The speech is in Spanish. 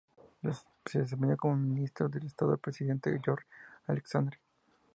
Se desempeñó como ministro de Estado del presidente Jorge Alessandri.